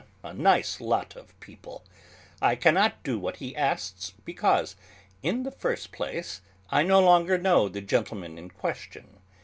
A nice lot of people! I cannot do what he asks, because, in the first place, I no longer know the gentleman in question.